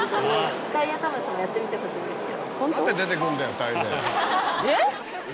一回田村さんもやってみてほしいんですけど。